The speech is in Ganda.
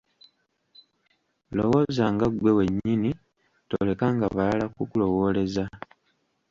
Lowoozanga ggwe wennyini, tolekanga balala kukulowooleza.